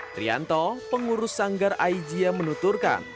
trianto pengurus sanggar aijia menuturkan